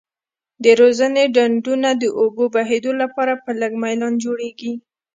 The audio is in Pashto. د روزنې ډنډونه د اوبو بهیدو لپاره په لږ میلان جوړیږي.